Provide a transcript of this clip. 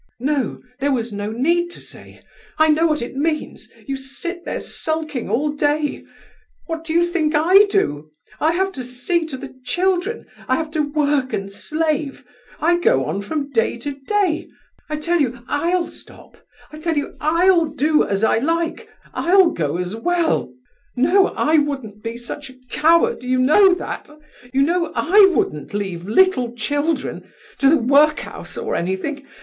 "No, there was no need to say. I know what it means. You sit there sulking all day. What do you think I do? I have to see to the children, I have to work and slave, I go on from day to day. I tell you I'll stop, I tell you I'll do as I like. I'll go as well. No, I wouldn't be such a coward, you know that. You know I wouldn't leave little children—to the workhouse or anything.